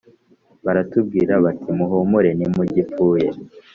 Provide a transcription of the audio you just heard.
baratubwira bati Muhumure ntimugipfuye